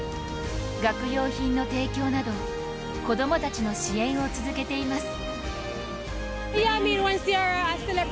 学用品の提供など子供たちの支援を続けています。